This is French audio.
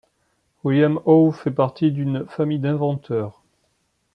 William Howe fait partie d'une famille d'inventeurs.